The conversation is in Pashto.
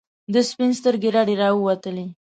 د سپین سترګي رډي راووتلې.